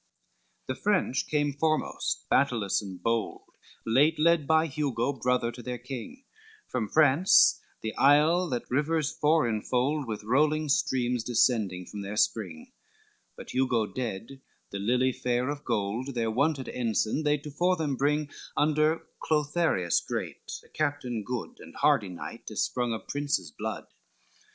XXXVII The French came foremost battailous and bold, Late led by Hugo, brother to their King, From France the isle that rivers four infold With rolling streams descending from their spring, But Hugo dead, the lily fair of gold, Their wonted ensign they tofore them bring, Under Clotharius great, a captain good, And hardy knight ysprong of princes' blood.